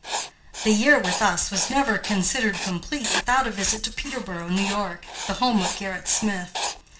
The year, with us, was never considered complete without a visit to Peterboro, N.Y., the home of Gerrit Smith.